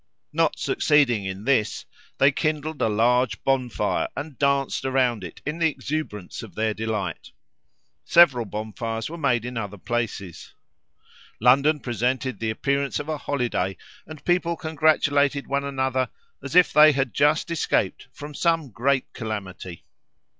Not succeeding in this, they kindled a large bonfire, and danced around it in the exuberance of their delight. Several bonfires were made in other places; London presented the appearance of a holiday, and people congratulated one another as if they had just escaped from some great calamity.